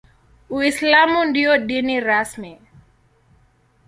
Uislamu ndio dini rasmi.